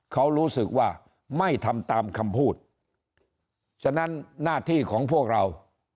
เขารู้สึกว่าไม่ทำตามคำพูดฉะนั้นหน้าที่ของพวกเรา